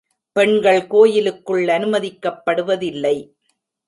பெண்கள் கோயிலுக்குள் அனுமதிக்கப்படுவதில்லை.